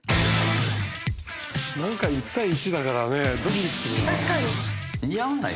何か１対１だからねドキドキするな。